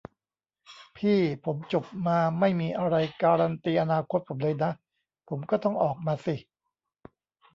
'พี่ ผมจบมา ไม่มีอะไรการันตีอนาคตผมเลยนะ ผมก็ต้องออกมาสิ'